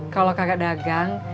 kalau kagak dagang